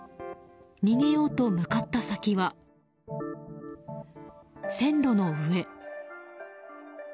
逃げようと向かった先は線路の上。